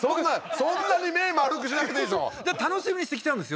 そんなに目丸くしなくていいでしょだって楽しみにしてきたんですよ